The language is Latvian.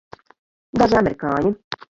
Daži amerikāņi.